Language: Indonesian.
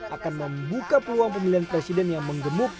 akan membuka peluang pemilihan presiden yang menggemuk